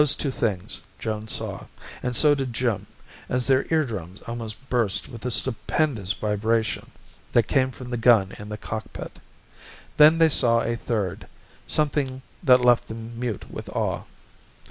Those two things Joan saw and so did Jim as their eardrums almost burst with the stupendous vibration that came from the gun in the cockpit. Then they saw a third, something that left them mute with awe.